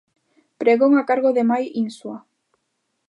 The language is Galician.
Pregón a cargo de Mai Insua.